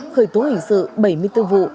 khởi tố hình sự bảy mươi bốn vụ